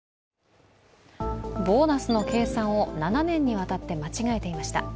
ボーナスの計算を７年にわたって間違えていました。